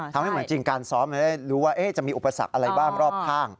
ทำให้เหมือนจริงการซ้อมได้รู้ว่าจะมีอุปสรรคอะไรบ้างรอบข้าง